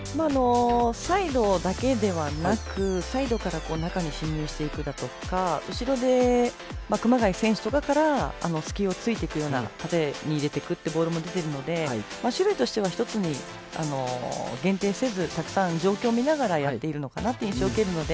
サイドだけではなくサイドから中に進入していくだとか後ろで熊谷選手から隙を突いてくるような縦に入れていくボールも出ているので守備としては１つに限定せず、たくさん状況を見ながらやっているのかなという印象を受けるので。